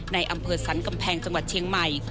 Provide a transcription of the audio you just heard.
ในอำเภอสรรกำแพงจังหวัดเชียงใหม่